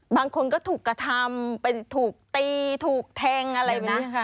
บางคนก็ถูกกระทำถูกตีถูกแทงอะไรแบบนี้ค่ะ